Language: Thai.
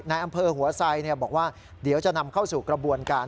ในอำเภอหัวไซบอกว่าเดี๋ยวจะนำเข้าสู่กระบวนการ